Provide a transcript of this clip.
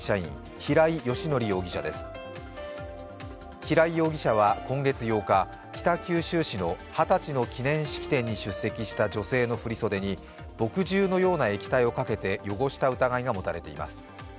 平井容疑者は今月８日、北九州市の二十歳の記念式典に出席した女性の振り袖に墨汁のような液体をかけて汚した疑いが持たれています。